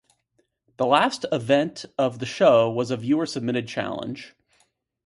The last event of the show was a viewer-submitted challenge.